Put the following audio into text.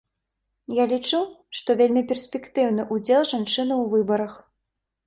Я лічу, што вельмі перспектыўны ўдзел жанчыны ў выбарах.